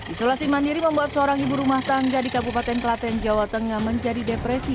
isolasi mandiri membuat seorang ibu rumah tangga di kabupaten klaten jawa tengah menjadi depresi